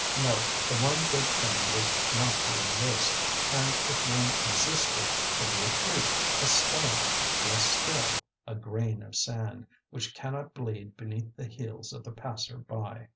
No, the one good thing was not to exist, and if one existed, to be a tree, a stone, less still, a grain of sand, which cannot bleed beneath the heels of the passer by.